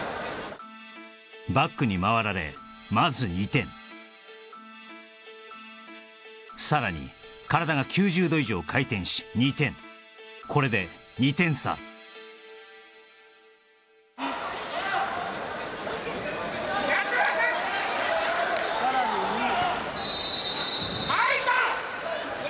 バックに回られまず２点さらに体が９０度以上回転し２点これで２点差・海人！